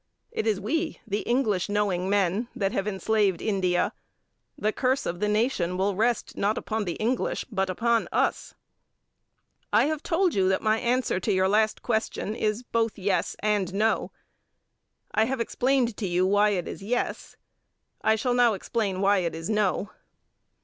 It is we, the English knowing men, that have enslaved India. The curse of the nation will rest not upon the English but upon us. I have told you that my answer to your last question is both yes and no. I have explained to you why it is yes. I shall now explain why it is no.